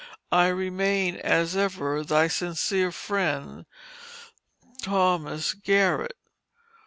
I remain, as ever, thy sincere friend, THOS. GARRETT.